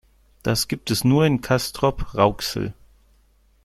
Das gibt es nur in Castrop-Rauxel